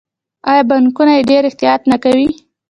آیا بانکونه یې ډیر احتیاط نه کوي؟